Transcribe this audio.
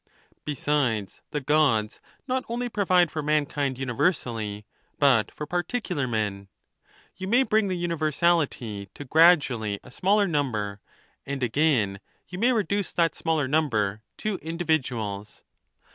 Besides, the Gods not only provide for mankind univer sally, but for particular men. You may bring this univer sality to gradually a smaller number, and again you may reduce that smaller number to individuals.